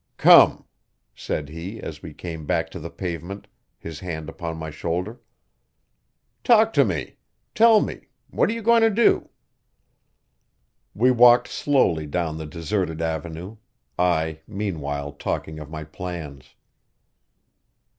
'Come!' said he as we came back to the pavement, his hand upon my shoulder. 'Talk to me. Tell me what are you going to do? We walked slowly down the deserted avenue, I, meanwhile, talking of my plans.